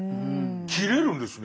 切れるんですね。